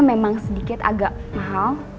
memang sedikit agak mahal